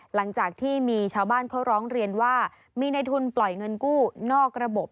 หลังจากที่มีชาวบ้านเขาร้องเรียนว่ามีในทุนปล่อยเงินกู้นอกระบบ